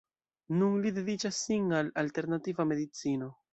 Nun li dediĉas sin al alternativa medicino.